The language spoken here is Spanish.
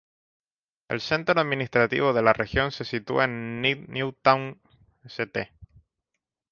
El centro administrativo de la región se sitúa en Newtown St.